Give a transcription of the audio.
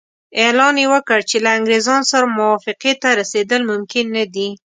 اعلان یې وکړ چې له انګریزانو سره موافقې ته رسېدل ممکن نه دي.